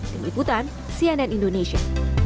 dengan ikutan cnn indonesia